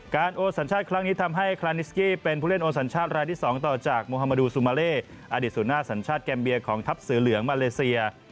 โอนสัญชาติครั้งนี้ทำให้คลานิสกี้เป็นผู้เล่นโอนสัญชาติรายที่๒ต่อจากโมฮามาดูซูมาเลอดีตสู่หน้าสัญชาติแกมเบียของทัพเสือเหลืองมาเลเซีย